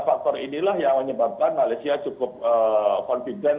faktor inilah yang menyebabkan malaysia cukup confident